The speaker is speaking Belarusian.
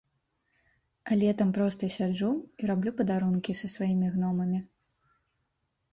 А летам проста сяджу і раблю падарункі са сваімі гномамі.